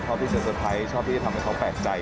ชอบที่จะสุดท้ายชอบที่จะทำให้เขาแปลกใจ